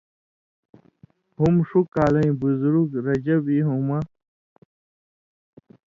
ہُم ݜُو کالَیں بُزرگ (رجب) یُون٘ہہۡ مہ